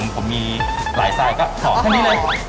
ผมมีหลายไซส์ก็ตอบแค่นี้เลย